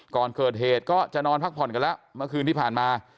ก่อนเกิดเหตุก็จะนอนพักผ่อนกันแล้วเมื่อคืนที่ผ่านมา